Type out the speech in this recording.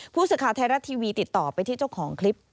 ผู้สื่อข่าวไทยรัฐทีวีติดต่อไปที่เจ้าของคลิป